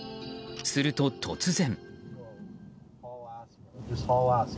すると、突然。